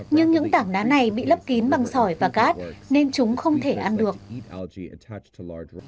nhưng những tảng đá này bị lấp kín bằng sỏi và cát nên chúng không thể ăn được